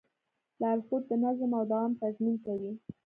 لارښود د نظم او دوام تضمین کوي.